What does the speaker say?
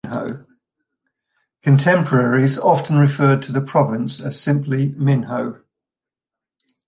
Contemporaries often referred to the province as simply "Minho".